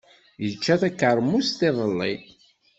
Yečča takeṛmust iḍelli.